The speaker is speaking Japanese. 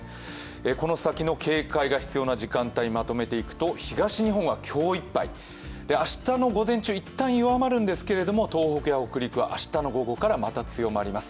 この先の警戒が必要な時間帯をまとめていくと東日本は今日いっぱい、明日の午前中、一旦弱まるんですけれども東北や北陸は明日の午後からまた強まります。